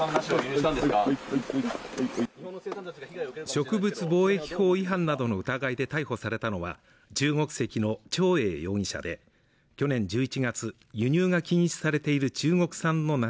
植物防疫法違反などの疑いで逮捕されたのは中国籍の張影容疑者で去年１１月輸入が禁止されている中国産の梨